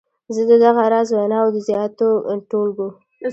زه د دغه راز ویناوو د زیاتو ټولګو.